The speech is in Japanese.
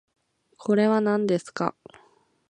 これはなんですか